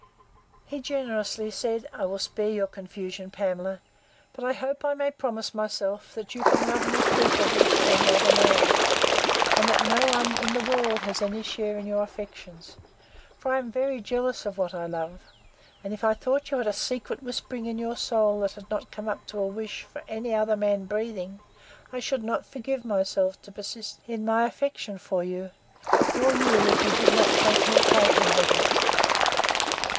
He generously said, I will spare your confusion, Pamela. But I hope I may promise myself, that you can love me preferably to any other man; and that no one in the world has had any share in your affections; for I am very jealous of what I love; and if I thought you had a secret whispering in your soul, that had not yet come up to a wish, for any other man breathing, I should not forgive myself to persist in my affection for you; nor you, if you did not frankly acquaint me with it.